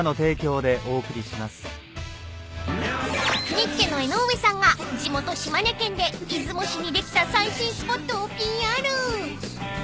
［ニッチェの江上さんが地元島根県で出雲市にできた最新スポットをＰＲ］